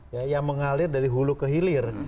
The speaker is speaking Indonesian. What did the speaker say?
ya yang mengalir dari hulu ke hilir